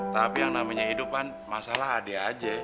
tapi yang namanya hidupan masalah ade aja